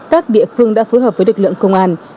các địa phương đã phối hợp với lực lượng công an